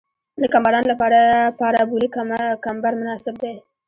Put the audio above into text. د کم باران لپاره پارابولیک کمبر مناسب دی